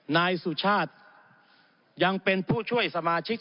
นายสุชาติยังเป็นผู้ช่วยสมาชิก